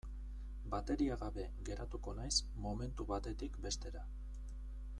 Bateria gabe geratuko naiz momentu batetik bestera.